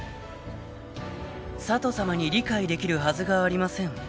［佐都さまに理解できるはずがありません］